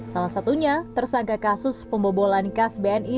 salah satunya tersangka kasus pembobolan kas bni